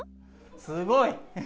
すごい。